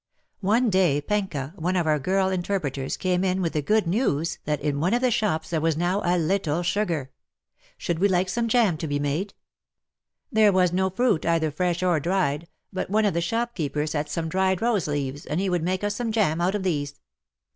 One day Pencka, one of our girl interpreters, came in with the good news that in one of the shops there was now a little WAR AND WOMEN 133 sugar ! Should we like some jam to be made ? There was no fruit, either fresh or dried, but one. of the shopkeepers had some dried rose leaves, and he would make us some jam out of these.